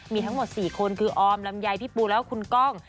มีทั้งหมด๔คนคือออมลำไยพี่ปูแล้วก็คุณก้อง